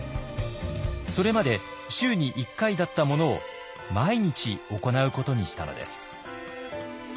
それまで週に１回だったものを毎日行うことにしたのです。